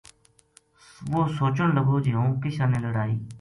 وہ سوچن لگو ہوں کِشان لڑائی